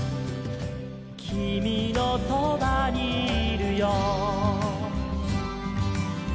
「きみのそばにいるよ」